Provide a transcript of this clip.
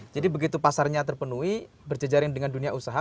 jadi begitu pasarnya terpenuhi berjejaring dengan dunia usaha